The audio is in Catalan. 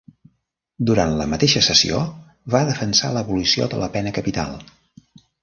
Durant la mateixa sessió, va defensar l'abolició de la pena capital.